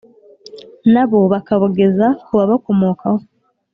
na bo bakabugeza ku babakomokaho